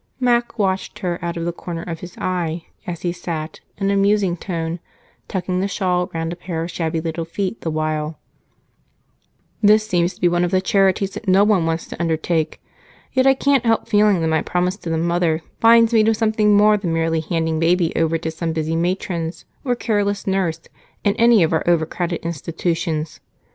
Mac watched her out of the corner of his eyes as he said, in a musing tone, tucking the shawl around a pair of shabby little feet the while, "This seems to be one of the charities that no one wants to undertake, yet I can't help feeling that my promise to the mother binds me to something more than merely handing baby over to some busy matron or careless nurse in any of our overcrowded institutions.